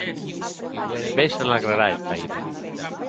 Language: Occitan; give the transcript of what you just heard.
Be se n’alegrarà eth pairin!